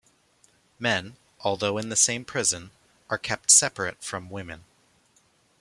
Men, although in the same prison, are kept separate from women.